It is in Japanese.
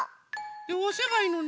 でおせばいいのね？